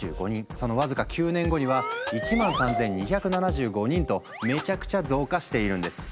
その僅か９年後には１３，２７５人とめちゃくちゃ増加しているんです。